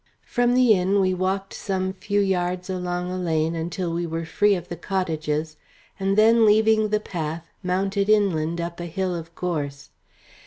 From the inn we walked some few yards along a lane until we were free of the cottages, and then leaving the path, mounted inland up a hill of gorse.